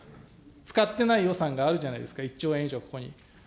使ってない予算があるじゃないですか、１兆円以上、ここに。